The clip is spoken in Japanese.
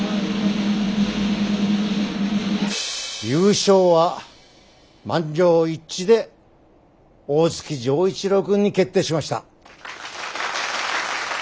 優勝は満場一致で大月錠一郎君に決定しました。